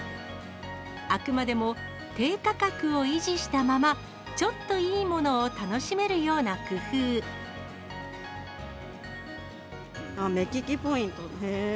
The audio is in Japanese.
あくまでも低価格を維持したまま、ちょっといいものを楽しめるよう目利きポイント、へえー。